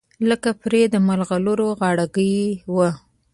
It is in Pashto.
لکه پرې د مرغلرو غاړګۍ وه